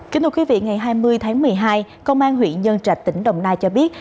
kính thưa quý vị ngày hai mươi tháng một mươi hai công an huyện nhân trạch tỉnh đồng nai cho biết